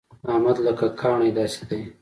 احمد لکه کاڼی داسې دی.